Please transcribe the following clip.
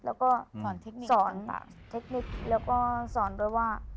แล้วก็สอนเทคนิคแล้วก็สอนด้วยว่า